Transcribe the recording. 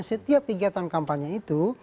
setiap kegiatan kampanye itu